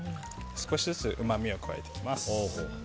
少しずつうまみを加えていきます。